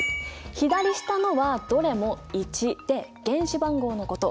左下のはどれも１で原子番号のこと。